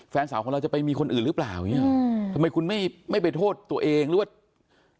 แฟนสาวของเราจะไปมีคนอื่นหรือเปล่าอย่างเงี้ยอืมทำไมคุณไม่ไม่ไปโทษตัวเองหรือว่า